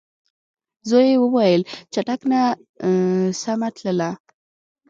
زوی یې وویل چټک نه سمه تللای